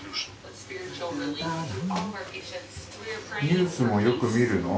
ニュースもよく見るの？